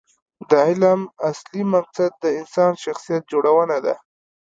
د علم اصلي مقصد د انسان شخصیت جوړونه ده.